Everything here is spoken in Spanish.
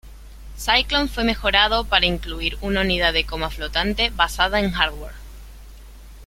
Cyclone fue mejorado para incluir una unidad de coma flotante basada en hardware.